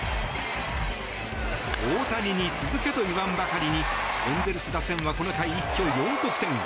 大谷に続けと言わんばかりにエンゼルス打線はこの回一挙４得点。